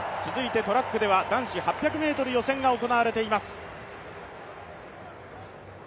トラックでは男子８００ｍ予選が行われています。